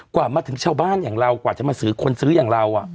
กว่ามาถึงชาวบ้านอย่างเรากว่าจะมาซื้อคนซื้ออย่างเรา